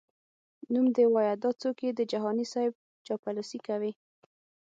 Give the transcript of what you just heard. نوم دي وایه دا څوک یې د جهاني صیب چاپلوسي کوي؟🤧🧐